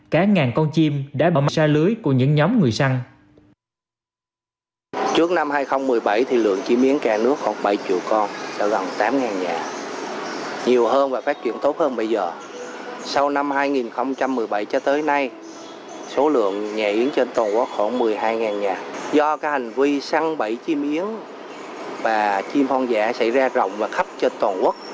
và chim phong giả xảy ra rộng và khắp trên toàn quốc